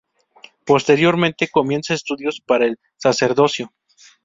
Posteriormente comienza estudios para el sacerdocio.